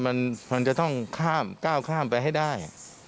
มันจะต้องก้าวข้ามไปให้ได้